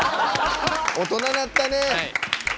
大人なったね！